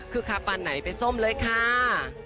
คือคาปานไหนไปส้มเลยค่ะ